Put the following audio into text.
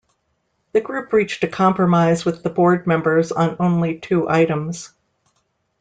The group reached a compromise with the board members on only two items.